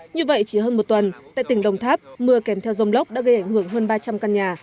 như vậy chỉ hơn một tuần tại tỉnh đồng tháp mưa kèm theo dông lốc đã gây ảnh hưởng hơn ba trăm linh căn nhà